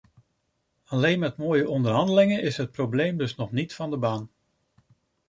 Alleen met mooie onderhandelingen is het probleem dus nog niet van de baan.